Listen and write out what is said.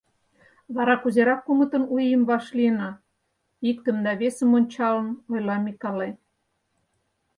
Вара кузерак, кумытын У ийым вашлийына? — иктым да весым ончалын, ойла Микале.